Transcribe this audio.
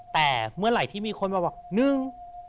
แต่เมื่อไหร่ที่มีคนมาบอกหนึ่ง